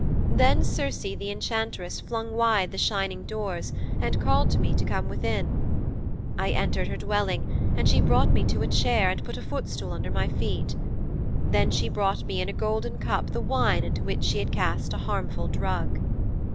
Then Circe the Enchantress flung wide the shining doors, and called to me to come within. I entered her dwelling and she brought me to a chair and put a footstool under my feet. Then she brought me in a golden cup the wine into which she had cast a harmful drug.'